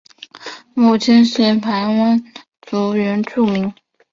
母亲是排湾族原住民。